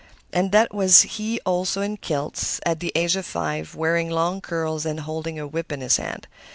And that was he also in kilts, at the age of five, wearing long curls and holding a whip in his hand.